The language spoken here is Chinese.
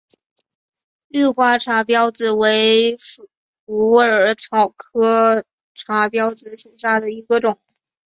绿花茶藨子为虎耳草科茶藨子属下的一个种。